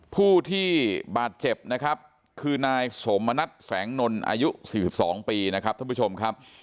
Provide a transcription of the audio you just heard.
ผู้ที่บาดเจ็บนะครับคือนายสมณัฐแสงนนอายุ๔๒ปีนะครับท่านผู้ชมครับ